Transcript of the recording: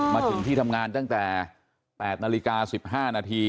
มาถึงที่ทำงานตั้งแต่๘นาฬิกา๑๕นาที